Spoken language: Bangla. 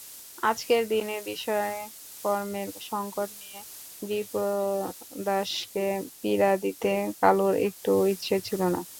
আজকের দিনে বিষয়কর্মের সংকট নিয়ে বিপ্রদাসকে পীড়া দিতে কালুর একটুও ইচ্ছে ছিল না।